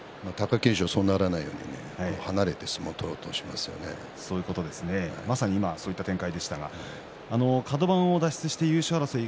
貴景勝はそうならないようにまさに今そういった展開でしたがカド番を脱出して優勝争い